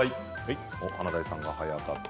華大さんが早かった。